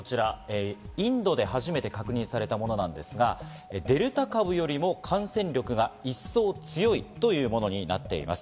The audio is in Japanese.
インドで初めて確認されたもので、デルタ株よりも感染力が一層強いというものになっています。